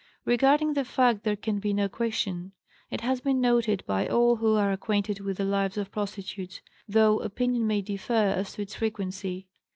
Regarding the fact there can be no question. It has been noted by all who are acquainted with the lives of prostitutes, though opinion may differ as to its frequency.